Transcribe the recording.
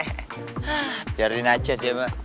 hahaa biarin aja dia mbak